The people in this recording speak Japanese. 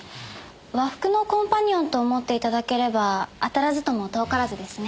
和服のコンパニオンと思って頂ければ当たらずとも遠からずですね。